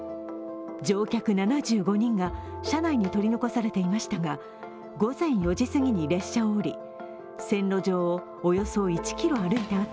乗客７５人が車内に取り残されていましたが午前４時すぎに列車を降り線路上をおよそ１ｋｍ歩いた